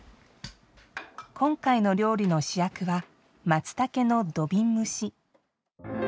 今回の料理の主役はまつたけの土瓶蒸し。